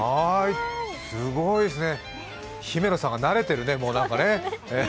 すごいですね、姫野さんが慣れてるね、なんかね。